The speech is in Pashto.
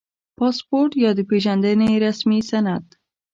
• پاسپورټ یا د پېژندنې رسمي سند